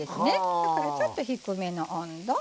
だからちょっと低めの温度。